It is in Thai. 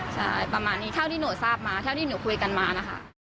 ใช่ประมาณนี้เท่าที่หนูทราบมาเท่าที่หนูคุยกันมานะคะ